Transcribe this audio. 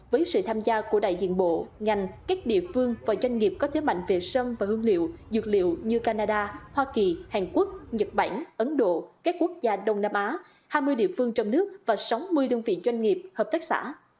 với sự tham gia của đại diện bộ ngành các địa phương và doanh nghiệp có thế mạnh về sâm và hương liệu dược liệu như canada hoa kỳ hàn quốc nhật bản ấn độ các quốc gia đông nam á hai mươi địa phương trong nước và sáu mươi đơn vị doanh nghiệp hợp tác xã